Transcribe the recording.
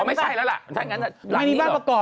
ไม่ใช่แล้วล่ะ